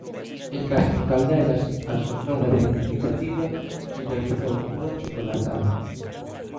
En Castro Caldelas a xornada reivindicativa finalizou cunha chocolatada.